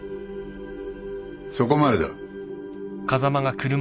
そこまでだ。